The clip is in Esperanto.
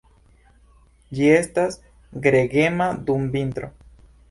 Ĝi estas gregema dum vintro.